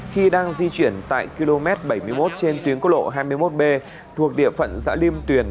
khi đang di chuyển tại km bảy mươi một trên tuyến cô lộ hai mươi một b thuộc địa phận giã liêm tuyền